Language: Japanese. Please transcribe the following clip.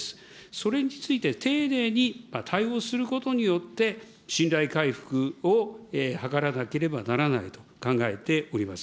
それについて丁寧に対応することによって、信頼回復を図らなければならないと考えております。